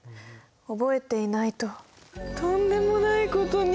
覚えていないととんでもないことに。